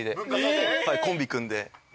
コンビ組んで。